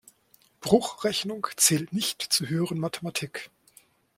Bruchrechnung zählt nicht zur höheren Mathematik.